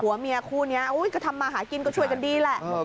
เมียคู่นี้ก็ทำมาหากินก็ช่วยกันดีแหละ